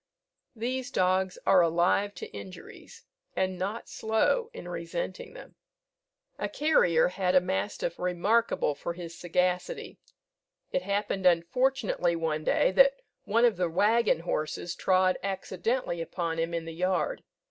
These dogs are alive to injuries, and not slow in resenting them. A carrier had a mastiff remarkable for his sagacity. It happened unfortunately one day, that one of the waggon horses trod accidentally upon him in the yard.